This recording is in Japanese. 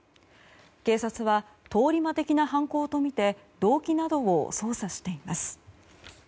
警察は、通り魔的な犯行とみて動機などを捜査しています。